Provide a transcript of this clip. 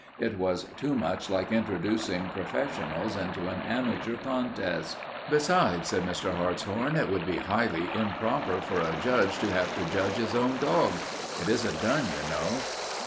It was too much like introducing professionals into an amateur contest. "Besides," said Mr. Hartshorn, "it would be highly improper for a judge to have to judge his own dogs. It isn't done, you know."